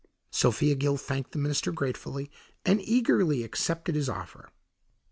Sophia Gill thanked the minister gratefully and eagerly accepted his offer.